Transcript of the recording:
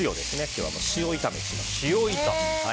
今日は塩炒めにします。